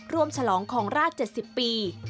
ฉลองของราช๗๐ปี